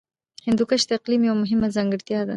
هندوکش د اقلیم یوه مهمه ځانګړتیا ده.